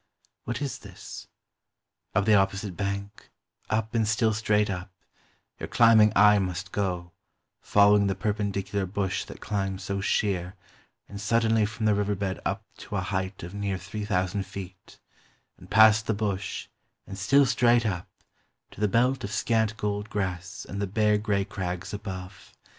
what is this? Up the opposite bank, up and still straight up, your climbing eye must go, following the perpendicular bush that climbs so sheer and suddenly from the river bed up to a height of near three thousand feet; and past the bush, and still straight up, to the belt of scant gold grass and the bare gray crags above